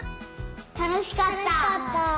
たのしかった！